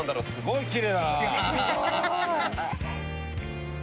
すごい！